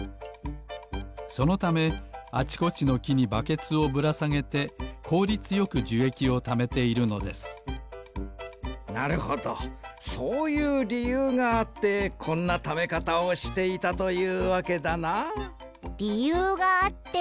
そのためあちこちのきにバケツをぶらさげてこうりつよくじゅえきをためているのですなるほどそういうりゆうがあってこんなためかたをしていたというわけだな。